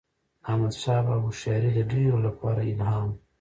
د احمدشاه بابا هوښیاري د ډیرو لپاره الهام و.